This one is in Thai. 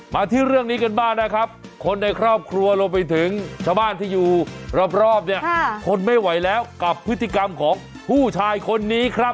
มาที่เรื่องนี้กันบ้างนะครับคนในครอบครัวรวมไปถึงชาวบ้านที่อยู่รอบเนี่ยทนไม่ไหวแล้วกับพฤติกรรมของผู้ชายคนนี้ครับ